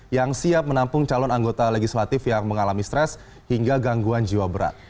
yang siap menampung calon anggota legislatif yang mengalami stres hingga gangguan jiwa berat